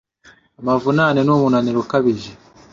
Amavunane ni umunaniro ukabije